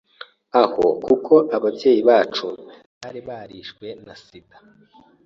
aho kuko ababyeyi bacu bari barishwe na Sida